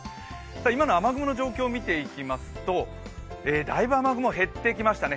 今の雨雲の状況を見ていきますとだいぶ雨雲は減ってきましたね。